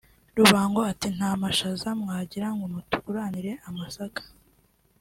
" Rubango ati "Nta mashaza mwagira ngo mutuguranire amasaka